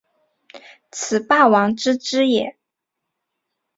此霸王之资也。